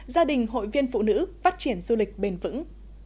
gia đình hội viên phụ nữ phát triển du lịch bền vững